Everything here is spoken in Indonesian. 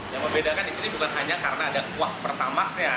yang membedakan di sini bukan hanya karena ada kuah pertamaxnya